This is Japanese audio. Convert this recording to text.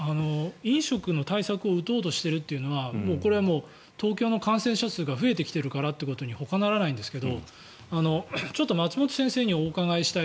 飲食の対策を打とうとしているというのはこれは東京の感染者数が増えてきているからということにはほかならないんですけど松本先生にお伺いしたい。